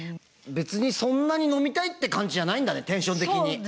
別にそんなに飲みたいって感じじゃないんだねテンション的に。